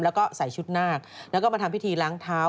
แล้วก็ใส่ชุดนาคแล้วก็มาทำพิธีล้างเท้า